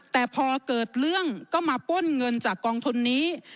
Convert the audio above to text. แต่พอเกิดเรื่องก็มาป้นเงินจากกองทุนนี้